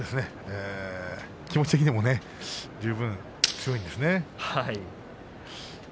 気持ち的にも十分強いんですね。